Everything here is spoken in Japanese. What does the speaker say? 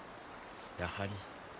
やはり。